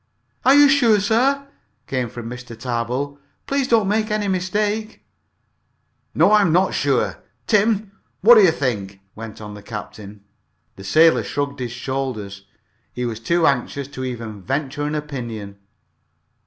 "Are you sure, sir?" came from Mr. Tarbill. "Please don't make any mistake." "No, I am not sure. Tim, what do you think?" went on the captain. The sailor shrugged his shoulders. He was too anxious to even venture an opinion.